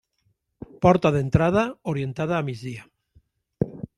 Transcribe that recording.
Porta d'entrada orientada a migdia.